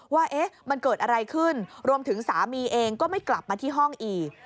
ว่ามันเกิดอะไรขึ้นรวมถึงสามีเองก็ไม่กลับมาที่ห้องอีก